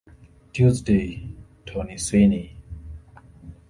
Tuesday: Tony Sweeney.